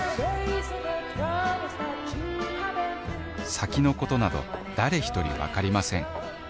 先のことなど誰ひとり分かりません。